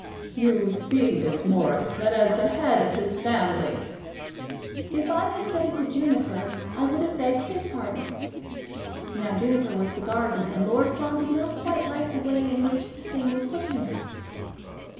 "You see, Miss Morris, that as the head of this family " "If I had said it to Juniper, I would have begged his pardon." Now Juniper was the gardener, and Lord Fawn did not quite like the way in which the thing was put to him.